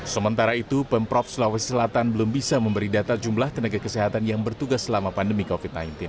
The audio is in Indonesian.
sementara itu pemprov sulawesi selatan belum bisa memberi data jumlah tenaga kesehatan yang bertugas selama pandemi covid sembilan belas